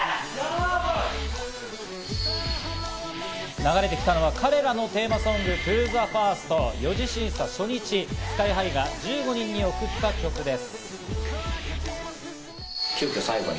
流れてきたのは彼らのテーマソング、『ＴｏＴｈｅＦｉｒｓｔ』、４次審査初日、ＳＫＹ−ＨＩが１５人に送った曲です。